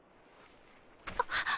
あっ！